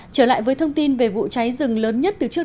trở lại với thông tin về vụ cháy rừng lớn nhất từ trước